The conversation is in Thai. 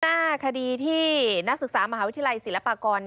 หน้าคดีที่นักศึกษามหาวิทยาลัยศิลปากร